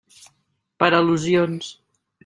Per al·lusions.